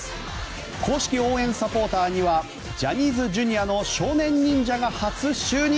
公式応援サポーターにはジャニーズＪｒ．の少年忍者が初就任！